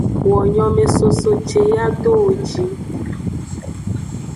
Wo nyomesoso ce yi ado wo ji.